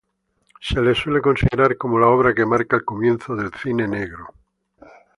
Se la suele considerar como la obra que marca el comienzo del cine negro.